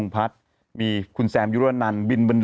อ๋อพระเอกสิ